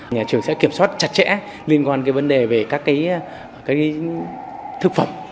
nhà trường sẽ kiểm soát chặt chẽ liên quan đến vấn đề về các cái thức phẩm